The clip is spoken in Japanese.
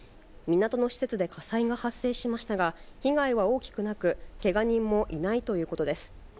港の施設で火災が発生しましたが、被害は大きくなく、けが人もいないということです。